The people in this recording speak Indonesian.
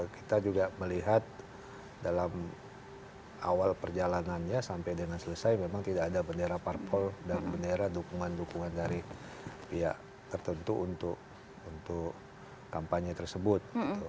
kita juga melihat dalam awal perjalanannya sampai dengan selesai memang tidak ada bendera parpol dan bendera dukungan dukungan dari pihak tertentu untuk kampanye tersebut